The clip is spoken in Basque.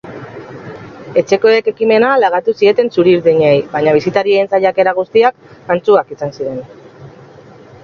Etxekoek ekimena lagatu zieten txuri-urdinei baina bisitarien saiakera guztiak antzuak izan ziren.